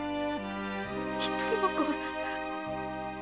いつもこうなんだ。